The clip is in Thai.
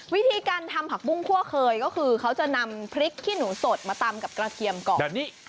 วิธีการทำผักบุ้งคั่วเคยก็คือเขาจะนำพริกขี้หนูสดมาตำกับกระเทียมก่อน